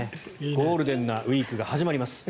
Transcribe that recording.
ゴールデンなウィークが始まります。